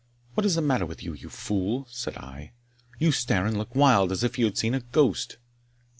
"What is the matter with you, you fool?" said I; "you stare and look wild, as if you had seen a ghost."